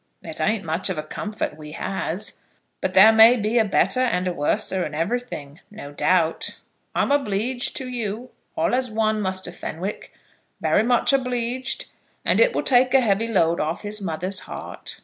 It ain't much of comfort we has; but there may be a better and a worser in everything, no doubt. I'm obleeged to you, all as one, Muster Fenwick very much obleeged; and it will take a heavy load off his mother's heart."